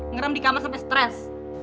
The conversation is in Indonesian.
ngeram di kamar sampe stress